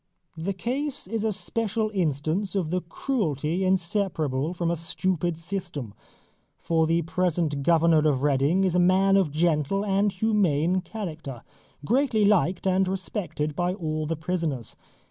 The case is a special instance of the cruelty inseparable from a stupid system, for the present Governor of Reading is a man of gentle and humane character, greatly liked and respected by all the prisoners.